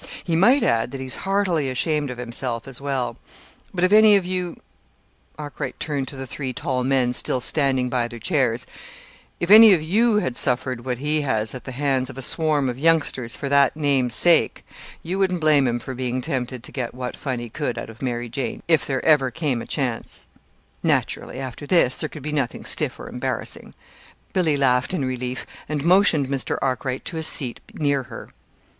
He might add that he's heartily ashamed of himself, as well; but if any of you " Arkwright turned to the three tall men still standing by their chairs "if any of you had suffered what he has at the hands of a swarm of youngsters for that name's sake, you wouldn't blame him for being tempted to get what fun he could out of Mary Jane if there ever came a chance!" Naturally, after this, there could be nothing stiff or embarrassing. Billy laughed in relief, and motioned Mr. Arkwright to a seat near her.